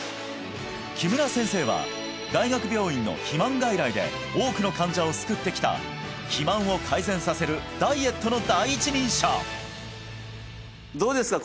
木村先生は大学病院の肥満外来で多くの患者を救ってきた肥満を改善させるダイエットの第一人者どうですか？